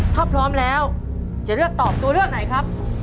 ถ้าพร้อมแล้วจะเลือกตอบตัวเลือกไหนครับ